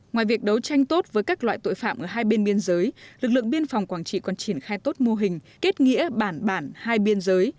ngoài việc đấu tranh tốt với các loại tội phạm ở hai bên biên giới lực lượng biên phòng quảng trị còn triển khai tốt mô hình kết nghĩa bản bản hai biên giới